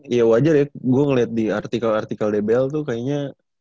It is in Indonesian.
ya tapi kalau ya wajar ya gue ngelihat di artikel artikel dbl tuh kayaknya